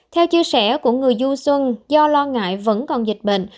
theo chia sẻ của người du xuân do lo ngại vẫn còn dịch bệnh